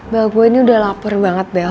bagus gue ini udah lapar banget bel